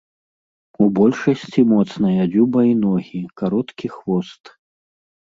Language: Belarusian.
У большасці моцная дзюба і ногі, кароткі хвост.